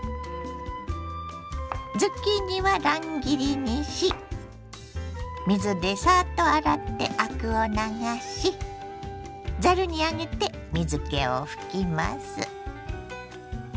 ズッキーニは乱切りにし水でサッと洗ってアクを流しざるに上げて水けを拭きます。